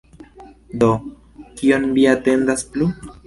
Do, kion vi atendas plu?